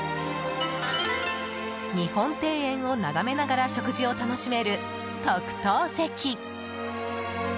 日本庭園を眺めながら食事を楽しめる特等席。